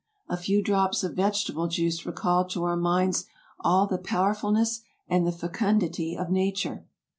A few drops of vegetable juice recall to our minds all the powerfulness and the fecundity of nature.